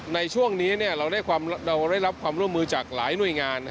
ในช่วงนี้เราได้รับความร่วมมือจากหลายหน่วยงาน